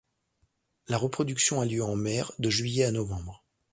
La reproduction a lieu en mer, de juillet à novembre.